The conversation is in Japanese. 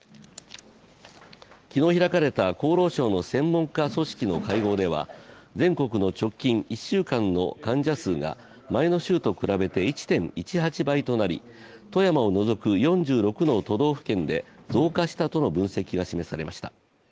昨日開かれた厚労省の専門家組織の会合では全国の直近１週間の患者数が前の週と比べて１．１８倍となり富山を除く４６の都道府県で増加したとの分析が示されました。